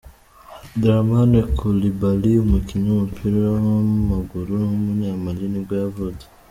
Dramane Coulibaly, umukinnyi w’umupira w’amaguru w’umunyamali nibwo yavutse.